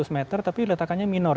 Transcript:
lima ratus meter tapi retakannya minor